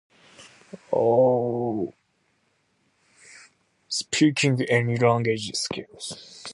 speaking any language [unclear|excuse/of course/as *].